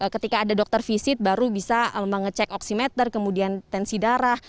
ketika ada dokter fisik baru bisa mengecek oksimeter kemudian tensi darah